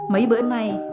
mấy bữa này